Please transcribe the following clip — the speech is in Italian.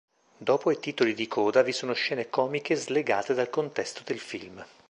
Dopo i titoli di coda, vi sono scene comiche slegate dal contesto del film.